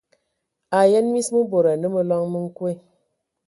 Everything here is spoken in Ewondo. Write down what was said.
A yən mis mə bod anə məloŋ mə nkoe.